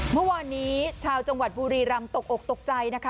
เมื่อวานนี้ชาวจังหวัดบุรีรำตกอกตกใจนะคะ